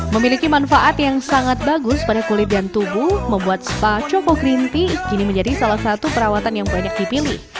memiliki manfaat yang sangat bagus pada kulit dan tubuh membuat spa choco green tea kini menjadi salah satu perawatan yang banyak dipilih